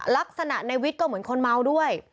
ลักษณะในวิทย์ก็เหมือนคนเมาด้วย